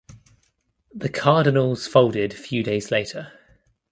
The Cardinals folded few days later.